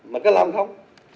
mà có làm không